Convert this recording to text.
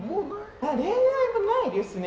恋愛はないですね。